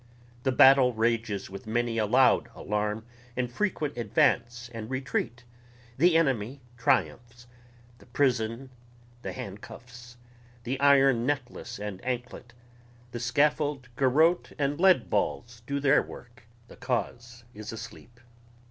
The battle rages with many a loud alarm and frequent advance and retreat ... the enemy triumphs ... the prison, the handcuffs, the iron necklace and anklet, the scaffold, garrote and leadballs do their work ... the cause is asleep